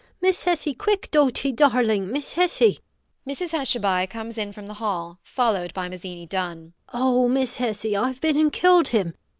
Miss Hessy! quick, doty darling. Miss Hessy! [Mrs Hushabye comes in from the hall, followed by Mazzini Dunn]. Oh, Miss Hessy, I've been and killed him.